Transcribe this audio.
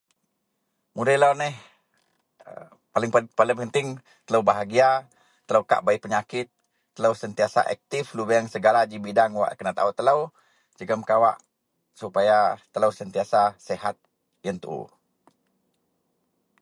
Mudei lau neh paling penting telo bahagia telo ka bei penyakit telo sentiasa aktif lubeng ji bidang segala wak kenatau telo yian jegam kawa supaya telo sentiasa sihat.